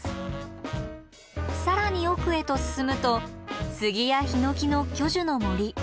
更に奥へと進むとスギやヒノキの巨樹の森。